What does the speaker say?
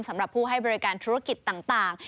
สำหรับผู้ให้บริการธุรกิจต่าง